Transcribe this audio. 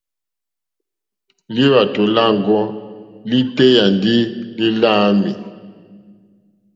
Lúwàtò lâŋɡɔ́ lítéyà ndí lí láǃámɛ̀.